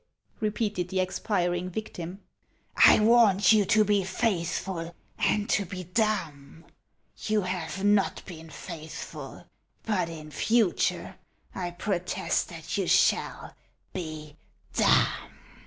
" repeated the expiring victim. " I warned you to be faithful and to be dumb. You have not been faithful ; but in future I protest that you shall be dumb."